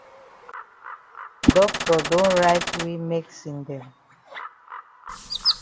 Doctor don write we medicine dem.